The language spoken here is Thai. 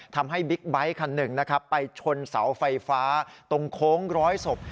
ทำให้บิ๊กไบท์คันหนึ่งไปชนเสาไฟฟ้าตรงโค้งร้อยศพ